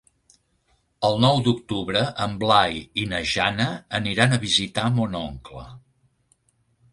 El nou d'octubre en Blai i na Jana aniran a visitar mon oncle.